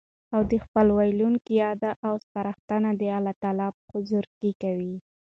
او د خپل ويلوونکي ياد او سپارښتنه د الله تعالی په حضور کي کوي